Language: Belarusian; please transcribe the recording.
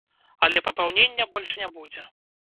Але папаўнення больш не будзе.